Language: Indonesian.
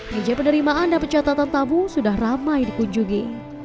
meja penerimaan dan pencatatan tamu sudah ramai dikunjungi